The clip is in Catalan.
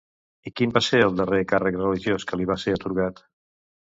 I quin va ser el darrer càrrec religiós que li va ser atorgat?